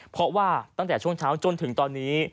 เพราะว่าตั้งแต่ช่วงเช้าจนถึงตอนนี้